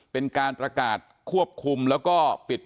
เป็นการปรากราศควบคุมแล้วก็ติดพื้นที่เสี่ยง